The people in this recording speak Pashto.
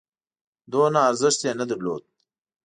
دونه ارزښت یې نه درلود.